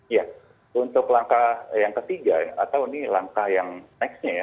ya untuk langkah yang ketiga atau ini langkah yang nextnya ya